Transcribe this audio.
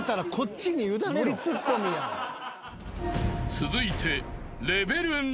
［続いて］